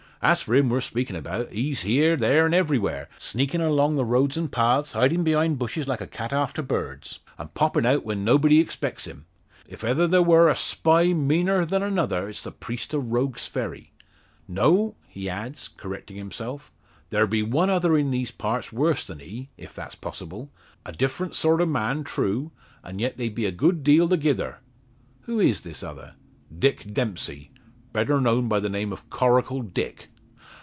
As for him we're speakin' about, he's here, there, an' everywhere; sneakin' along the roads an' paths, hidin' behind bushes like a cat after birds, an' poppin' out where nobody expects him. If ever there war a spy meaner than another it's the priest of Rogue's Ferry." "No?" he adds, correcting himself. "There be one other in these parts worse than he if that's possible. A different sort o' man, true; and yet they be a good deal thegither." "Who is this other?" "Dick Dempsey better known by the name of Coracle Dick."